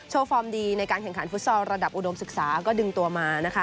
ฟอร์มดีในการแข่งขันฟุตซอลระดับอุดมศึกษาก็ดึงตัวมานะคะ